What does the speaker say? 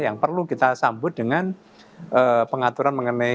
yang perlu kita sambut dengan pengaturan mengenai